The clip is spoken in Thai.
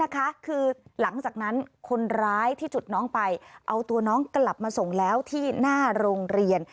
คือหลังจากนั้นคนร้ายที่จุดน้องไปเอาตัวน้องกลับมาส่งแล้วที่หน้าโรงเรียน